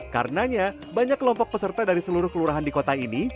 karenanya banyak kelompok peserta dari seluruh kelurahan di kota ini